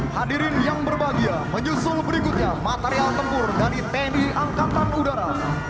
hadirin yang berbahagia menyusul berikutnya material tempur dari tni angkatan udara